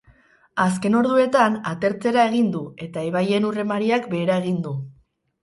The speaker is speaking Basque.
Azken orduetan atertzera egin du eta ibaien ur-emariak behera egin du.